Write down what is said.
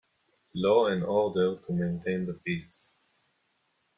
Law and order to maintain the peace.